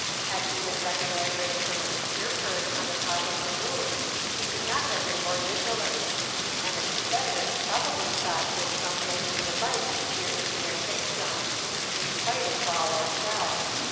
Had he been reconnoitering from a secure perch on the top of the moon he could not have been more vigilant; and the Confederates probably thought this some Yankee device to peer into their sanctum in spite of ball or shell.